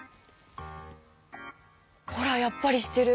ほらやっぱりしてる！